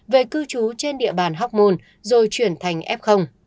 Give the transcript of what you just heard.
về cư trú trên địa bàn hóc môn rồi chuyển thành f